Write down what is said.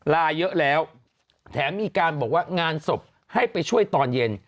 ลาเยอะแล้วแถมมีการบอกว่างานศพให้ไปช่วยตอนเย็น